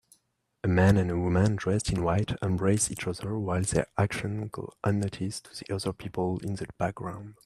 A man and woman dressed in white embrace each other while their actions go unnoticed to the other people in the background